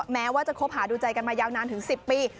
แม้ว่าจะคบหาดูใจกันมายาวนานถึง๑๐ปี